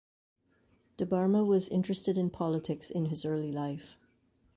Debbarma was interested in politics in his early life.